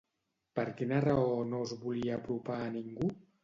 Per quina raó no es volia apropar a ningú?